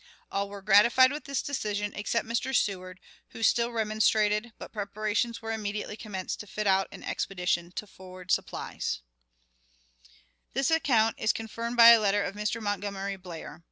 All were gratified with this decision, except Mr. Seward, who still remonstrated, but preparations were immediately commenced to fit out an expedition to forward supplies." This account is confirmed by a letter of Mr. Montgomery Blair.